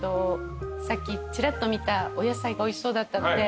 さっきチラッと見たお野菜がおいしそうだったので。